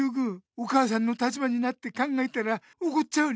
お母さんの立場になって考えたらおこっちゃう理